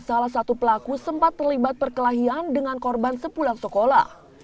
salah satu pelaku sempat terlibat perkelahian dengan korban sepulang sekolah